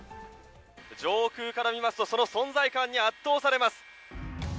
上空から見ますとその存在感に圧倒されます。